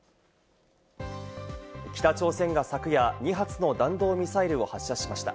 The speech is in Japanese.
北朝鮮が昨夜、２発の弾道ミサイルを発射しました。